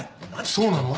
そうなの？